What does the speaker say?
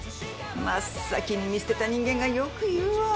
真っ先に見捨てた人間がよく言うわ。